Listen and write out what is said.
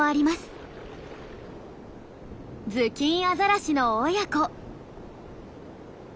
ズキンアザラシの親子。